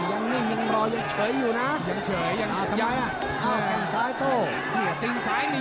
ยังไม่เดินไม่เดิน